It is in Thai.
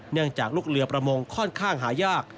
จากลูกเรือประมงค่อนข้างหายาก